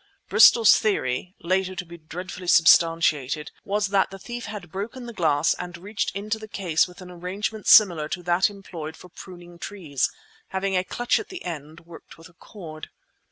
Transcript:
Bristol's theory, later to be dreadfully substantiated, was that the thief had broken the glass and reached into the case with an arrangement similar to that employed for pruning trees, having a clutch at the end, worked with a cord.